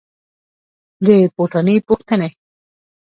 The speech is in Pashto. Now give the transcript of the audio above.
د بوټاني پوښتني